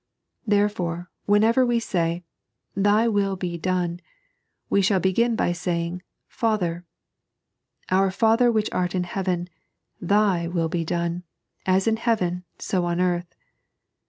Therefore, whenever we say :" Thy will be done," we should begin by sa3nng, " Father "—" Our Father which art in heaven, Th^ will be done, as in heaven, so on earth."